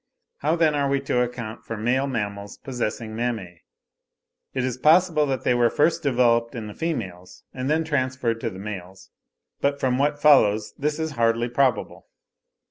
How then are we to account for male mammals possessing mammae? It is possible that they were first developed in the females and then transferred to the males, but from what follows this is hardly probable.